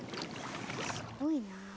すごいな。